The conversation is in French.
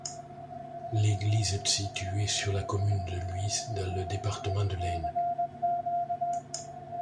L'église est située sur la commune de Lhuys, dans le département de l'Aisne.